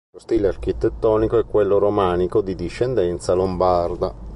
Lo stile architettonico è quello romanico di discendenza lombarda.